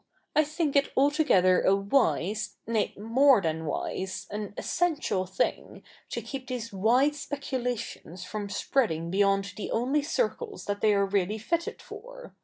I think it altogether a wise — nay, more than wise, an essential thing, to keep these wide speculations from spreading beyond the only circles that they are really fitted for.